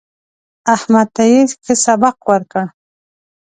احمد ته يې ښه سبق ورکړ.